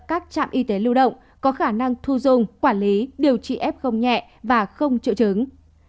các trạm y tế lưu động có khả năng thu dung quản lý điều trị f nhẹ và không triệu chứng